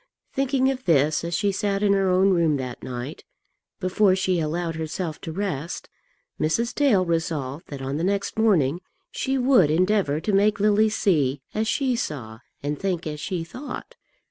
Thinking of this as she sat in her own room that night, before she allowed herself to rest, Mrs. Dale resolved that on the next morning she would endeavour to make Lily see as she saw and think as she thought.